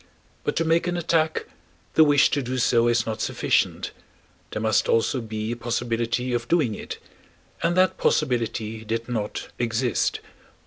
But to make an attack the wish to do so is not sufficient, there must also be a possibility of doing it, and that possibility did not exist.